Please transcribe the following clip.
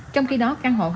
trong khi đó căn hộ